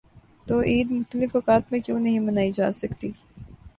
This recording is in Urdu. تو عید مختلف اوقات میں کیوں نہیں منائی جا سکتی؟